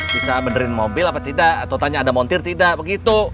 bisa benerin mobil apa tidak atau tanya ada montir tidak begitu